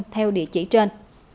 theo địa chỉ trên